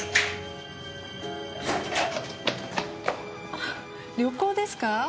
あっ旅行ですか？